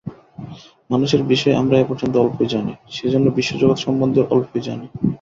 মানুষের বিষয় আমরা এ পর্যন্ত অল্পই জানি, সেইজন্য বিশ্বজগৎ সম্বন্ধেও অল্পই জানি।